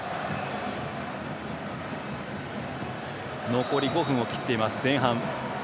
残り５分を切っています、前半。